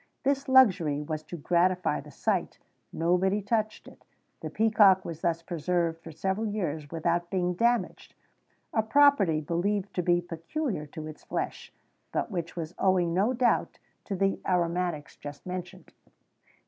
This luxury was to gratify the sight: nobody touched it. The peacock was thus preserved for several years without being damaged a property believed to be peculiar to its flesh,[XVII 131] but which was owing, no doubt, to the aromatics just mentioned.